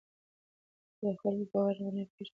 که د خلکو باورونه ونه پېژنې، ګډ فهم نه رامنځته کېږي.